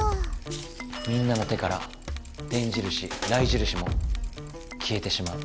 みんなの手から電印雷印もきえてしまう。